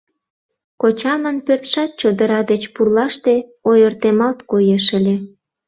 Кочамын пӧртшат чодыра деч пурлаште ойыртемалт коеш ыле.